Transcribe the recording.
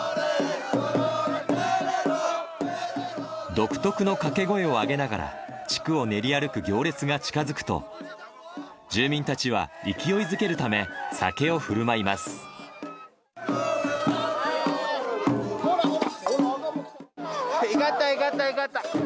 独特の掛け声を上げながら、地区を練り歩く行列が近づくと、住民たちは勢いづけるため、いがった、いがった、いがった。